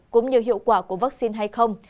cũng như hiệu quả của vaccine hay không